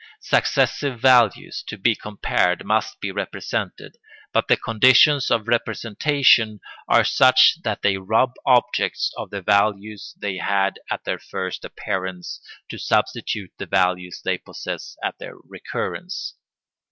Successive values, to be compared, must be represented; but the conditions of representation are such that they rob objects of the values they had at their first appearance to substitute the values they possess at their recurrence.